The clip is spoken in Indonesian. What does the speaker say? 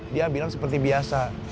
dia bilang seperti biasa